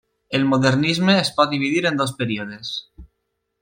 El Modernisme es pot dividir en dos períodes.